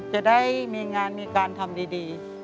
จะได้มีงานมีการทำดี